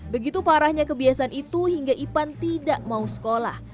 begitu parahnya kebiasaan itu hingga ipan tidak mau sekolah